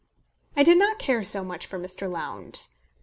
I did not care so much for Mr. Lowndes.